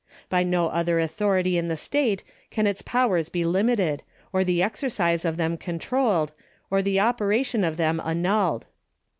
By no other authority in the state can its powers be limited, or the exercise of them controlled, or the operation of them an nulled.